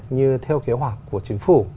như theo kế hoạch của chính phủ